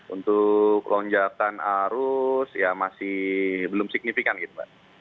untuk lonjakan arus ya masih belum signifikan gitu mbak